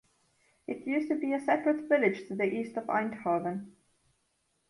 It used to be a separate village to the east of Eindhoven.